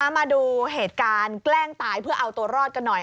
มาดูเหตุการณ์แกล้งตายเพื่อเอาตัวรอดกันหน่อย